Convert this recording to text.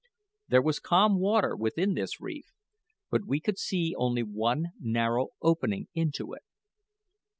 There was calm water within this reef, but we could see only one narrow opening into it.